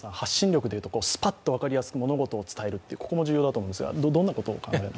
発信力というと、スパッとわかりやすく物事を伝えることも大事だと思いますが、どんなことを考えていますか？